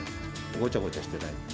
ごちゃごちゃしてない。